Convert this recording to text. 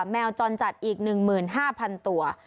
แมวจรจัดอีก๑๕๐๐๐ตัว